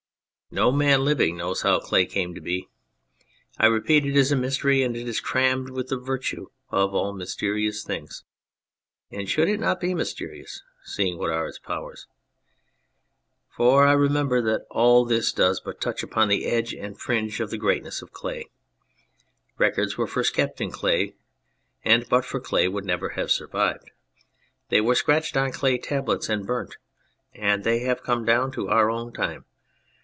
No man living knows how clay came to be. I repeat it is a mystery and is crammed with the virtue of all mysterious things. And should it not be mysterious, seeing what are its powers ? For remember that all this does but touch upon the edge and fringe of the greatness of clay. Re cords were first kept in clay, and but for clay would never have survived. They were scratched on clay tablets and burnt, and they have come down to our own time.